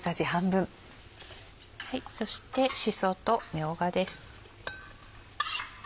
そしてしそとみょうがです。